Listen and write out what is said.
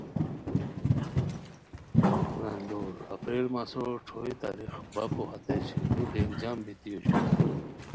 گندور (اپریل) مسو ݯھوئے تاریخ: پایو ہتے چھیردو ڈیک جم بیتی اوشوئے